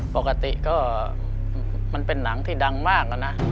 ปกติก็มันเป็นหนังที่ดังมากแล้วนะ